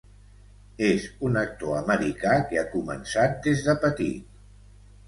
És un actor americà que ha començat des de petit.